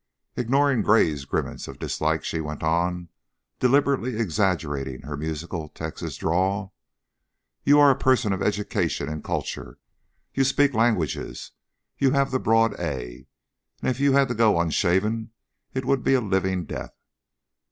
Ignoring Gray's grimace of dislike she went on, deliberately exaggerating her musical Texas drawl. "You are a person of education and culture; you speak languages; you have the broad 'a,' and if you had to go unshaven it would be a living death.